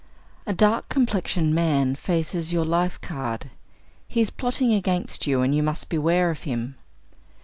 A dark complexioned man faces your life card. He is plotting against you, and you must beware of him.